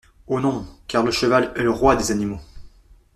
Oh non ! car le cheval est le roi des animaux !